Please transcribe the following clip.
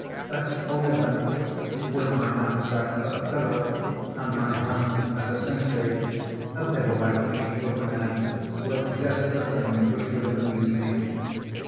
At all events, with my knapsack for a pillow, and my hound as a sentry, a bivouac in the open air was just the thing which would have amused me.